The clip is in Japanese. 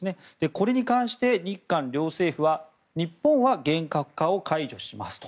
これに関して日韓両政府は日本は厳格化を解除しますと。